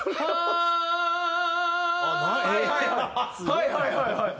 はいはいはい。